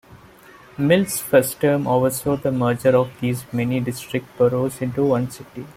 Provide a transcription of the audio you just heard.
Mills' first term oversaw the merger of these many district boroughs into one city.